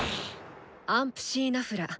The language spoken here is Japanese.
アンプシー・ナフラ。